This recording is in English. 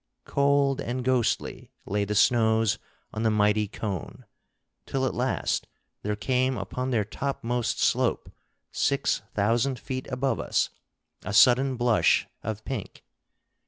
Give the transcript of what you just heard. Cold and ghostly lay the snows on the mighty cone; till at last there came upon their topmost slope, six thousand feet above us, a sudden blush of pink.